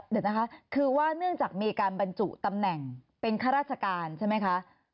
เดี๋ยวนะคะคือว่าเนื่องจากมีการบรรจุตำแหน่งเป็นข้าราชการใช่ไหมคะ